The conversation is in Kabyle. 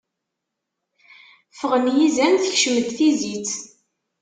Ffɣen yizan, tekcem-d tizit.